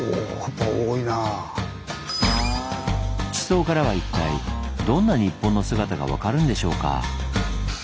地層からは一体どんな「日本の姿」が分かるんでしょうか？